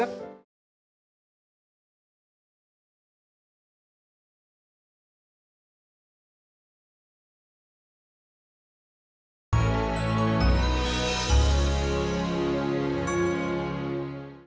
aura nya belum tidur